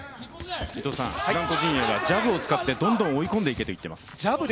フランコ陣営はジャブを使ってどんどん追い込んでいけと指示が出ています。